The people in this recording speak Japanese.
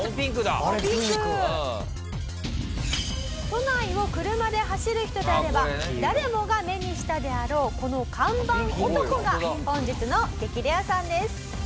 都内を車で走る人であれば誰もが目にしたであろうこの看板男が本日の激レアさんです。